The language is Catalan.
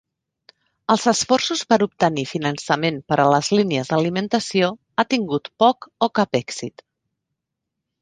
Els esforços per obtenir finançament per a les línies d'alimentació han tingut poc o cap èxit.